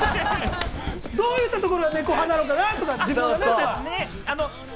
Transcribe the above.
どういったところが猫派なのかな？とか。